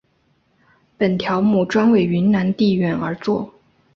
本条目专为云南定远而作。